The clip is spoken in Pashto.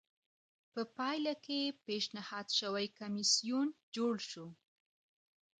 په پایله کې پېشنهاد شوی کمېسیون جوړ شو